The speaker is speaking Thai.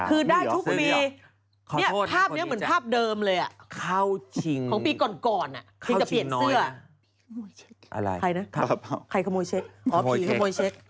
คือได้ทุกปีนี่ภาพนี้เหมือนภาพเดิมเลยอ่ะของปีก่อนถึงจะเปลี่ยนเสื้อ